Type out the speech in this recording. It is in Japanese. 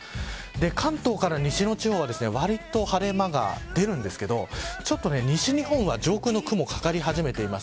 関東から西の地方は割と晴れ間が出るんですけどちょっと、西日本は上空の雲がかかり始めています。